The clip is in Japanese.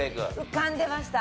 浮かんでました。